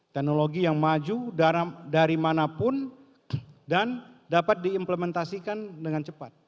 teknologi yang maju dari manapun dan dapat diimplementasikan dengan cepat